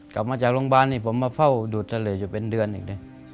กลับมาจากโรงพยาบาลผมมาเฝ้าดูดเจริญอยู่เป็นเดือนอีกด้วย